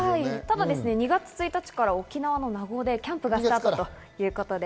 ２月１日から沖縄の名護でキャンプがスタートということです。